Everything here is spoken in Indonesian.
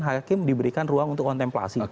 hakim diberikan ruang untuk kontemplasi